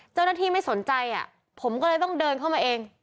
เจ้าหน้าที่ไม่สนใจอะผมก็เลยต้องเดินเข้ามาเอง